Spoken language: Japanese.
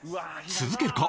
続けるか？